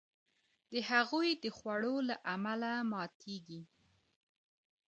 د هغوی د خولو له امله ماتیږي.